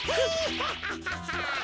ハハハッ。